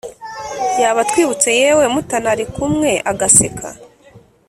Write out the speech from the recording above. yaba atwibutse yewe mutanari kumwe agaseka.